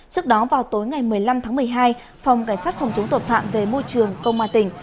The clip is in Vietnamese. trước đó vào tối ngày một mươi năm tháng một mươi hai phòng cảnh sát phòng chống tội phạm về môi trường công an tỉnh